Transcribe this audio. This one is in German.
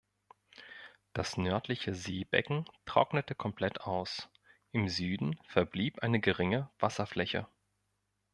Das nördliche Seebecken trocknete komplett aus; im Süden verblieb eine geringe Wasserfläche.